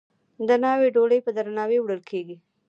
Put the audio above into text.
د ناوې ډولۍ په درناوي وړل کیږي.